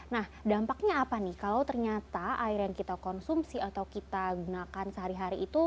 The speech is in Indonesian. nah dampaknya apa nih kalau ternyata air yang kita konsumsi atau kita gunakan sehari hari itu